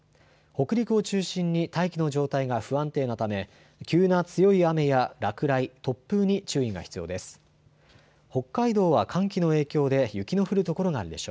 北陸を中心に大気の状態が不安定なため急な強い雨や落雷、突風に注意が必要です。